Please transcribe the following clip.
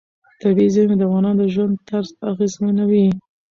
طبیعي زیرمې د افغانانو د ژوند طرز اغېزمنوي.